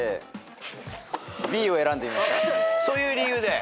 そういう理由で。